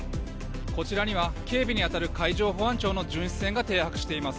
こちらには警備に当たる海上保安庁の巡視船が停泊しています。